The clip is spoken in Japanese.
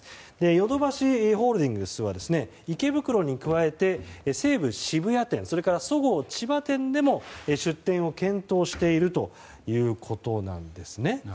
ヨドバシホールディングスは池袋に加えて西武渋谷店、それからそごう千葉店でも出店を検討しているということなんです。